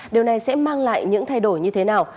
điều này sẽ mang lại những thay đổi như thế nào